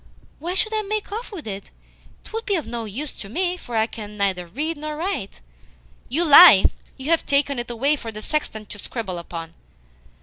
"Why should I make off with it? 'Twould be of no use to me, for I can neither read nor write." "You lie! You have taken it away for the sexton to scribble upon."